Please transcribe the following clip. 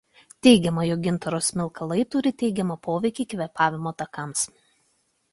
Teigiama jog gintaro smilkalai turi teigiamą poveikį kvėpavimo takams.